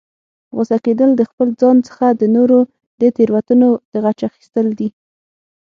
غوسه کیدل، د خپل ځان څخه د نورو د تیروتنو د غچ اخستل دي